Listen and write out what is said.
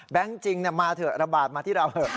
แบงก์จริงมาเถอะระบาดมาที่เรา